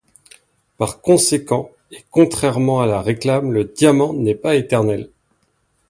Par conséquent et contrairement à la réclame, le diamant n'est pas éternel.